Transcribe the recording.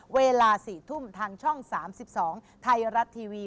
เวลา๔ทุ่มทางช่อง๓๒ไทยรัฐทีวี